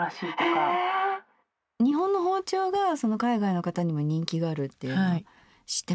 日本の包丁が海外の方にも人気があるっていうのは知ってましたけど。